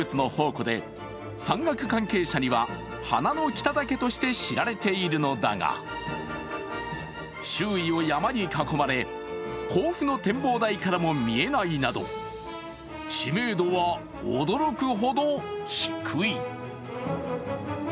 高山植物の宝庫で山岳関係者には花の北岳として知られているのだが、周囲を山に囲まれ、甲府の展望台からも見えないなど知名度は驚くほど低い。